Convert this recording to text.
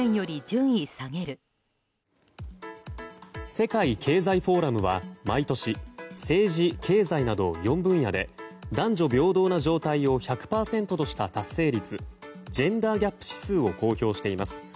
世界経済フォーラムは毎年政治・経済など４分野で男女平等な状態を１００％とした達成率ジェンダーギャップ指数を公表しています。